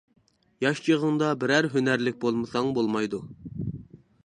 ياش چېغىڭدا بىرەر ھۈنەرلىك بولمىساڭ بولمايدۇ.